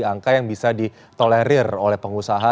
angka yang bisa ditolerir oleh pengusaha